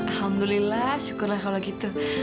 alhamdulillah syukurlah kalau gitu